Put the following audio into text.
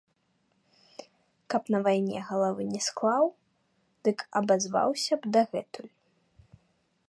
Каб на вайне галавы не склаў, дык абазваўся б дагэтуль.